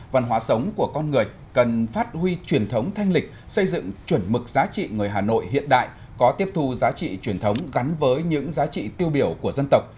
văn hóa sống của con người cần phát huy truyền thống thanh lịch xây dựng chuẩn mực giá trị người hà nội hiện đại có tiếp thu giá trị truyền thống gắn với những giá trị tiêu biểu của dân tộc